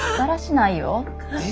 え？